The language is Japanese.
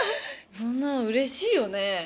そんな嬉しいよね